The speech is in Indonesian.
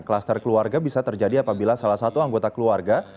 kluster keluarga bisa terjadi apabila salah satu anggota keluarga